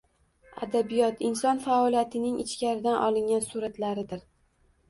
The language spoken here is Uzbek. Adabiyot – inson faoliyatining ichkaridan olingan suvratlaridir